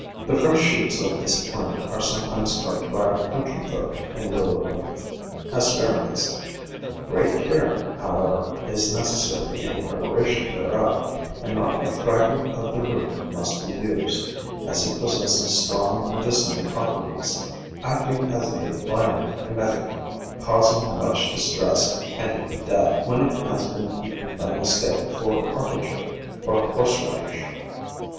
The fresh shoots of this plant are sometimes cooked by coun try folk in lieu of Asparagus. Great care, however, is necessary in the preparation thereof, and not a fragment of the root must be used, as it pos sesses strong medicinal properties, acting as a vio lent emetic, causing much distress, and even death, when it has been eaten by mistake for Artichoke or Horse radish.